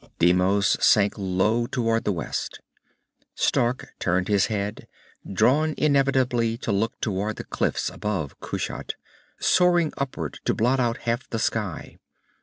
Deimos sank low toward the west. Stark turned his head, drawn inevitably to look toward the cliffs above Kushat, soaring upward to blot out half the sky.